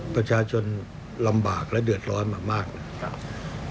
ประชาชนลำบากและเดือดร้อนมามากนะครับ